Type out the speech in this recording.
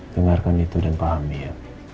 dengarkan itu dan pahami ya